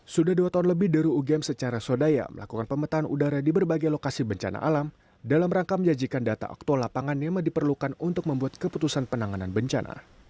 sudah dua tahun lebih deru ugm secara sodaya melakukan pemetaan udara di berbagai lokasi bencana alam dalam rangka menjajikan data okto lapangan yang diperlukan untuk membuat keputusan penanganan bencana